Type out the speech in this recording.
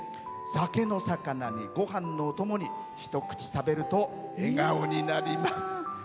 酒のさかなに、ごはんのお供に一口食べると笑顔になります。